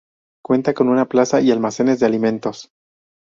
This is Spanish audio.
Cuenta con una plaza y almacenes de alimentos.